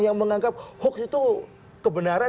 yang menganggap hoax itu kebenaran